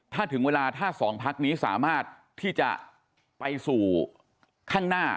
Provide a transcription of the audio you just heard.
ถ้าถึงเวลาถ้าสองพักนี้สามารถที่จะไปสู่ข้างหน้า